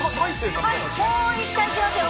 もう一回いきますよ。